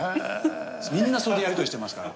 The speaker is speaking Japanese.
みんなそれでやり取りしてますから。